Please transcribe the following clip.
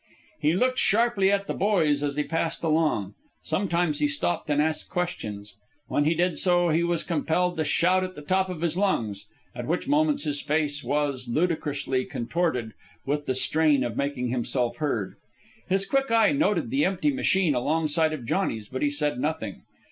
He looked sharply at the boys as he passed along. Sometimes he stopped and asked questions. When he did so, he was compelled to shout at the top of his lungs, at which moments his face was ludicrously contorted with the strain of making himself heard. His quick eye noted the empty machine alongside of Johnny's, but he said nothing.